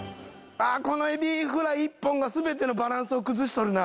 あっこのエビフライ１本が全てのバランスを崩しとるな。